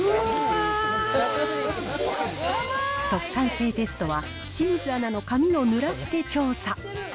速乾性テストは、清水アナの髪をぬらして調査。